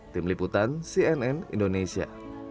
tim liputan cnn indonesia